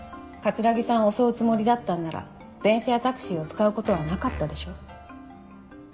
城さんを襲うつもりだったんなら電車やタクシーを使う事はなかったでしょ？